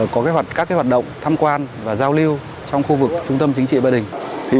có các hoạt động tham quan và giao lưu trong khu vực trung tâm chính trị ba đình